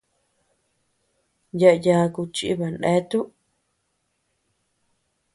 Yaʼa yaku chiba neatuu.